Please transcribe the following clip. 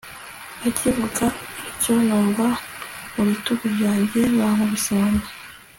akivuga atyo numva mubitugu byanjye bankubise inkoni